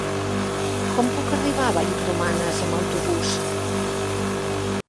Com puc arribar a Vallromanes amb autobús?